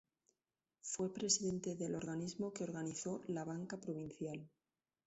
Fue presidente del organismo que organizó la banca provincial.